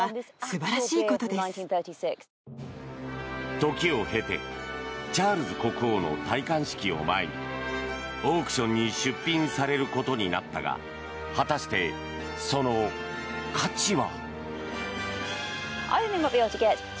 時を経てチャールズ国王の戴冠式を前にオークションに出品されることになったが果たして、その価値は？